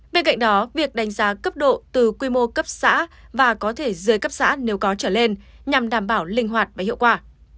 bên cạnh đó việc đánh giá cấp độ từ quy mô cấp xã và có thể dưới cấp xã nếu có trở lên nhằm đảm bảo linh hoạt và hiệu quả